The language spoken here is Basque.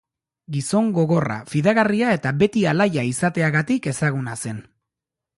Gizon gogorra, fidagarria eta beti alaia izateagatik ezaguna zen.